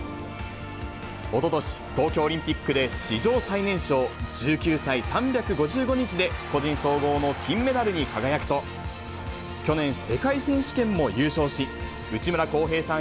おととし、東京オリンピックで史上最年少、１９歳３５５日で個人総合の金メダルに輝くと、去年、世界選手権も優勝し、内村航平さん